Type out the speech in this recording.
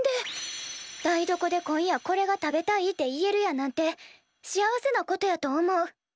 台所で今夜これが食べたいて言えるやなんて幸せなことやと思う。